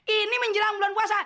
ini menjelang bulan puasa